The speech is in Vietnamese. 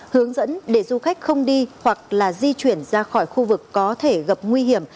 hướng dẫn để du khách không đi hoặc là di chuyển ra khỏi khu vực có thể gặp nguy hiểm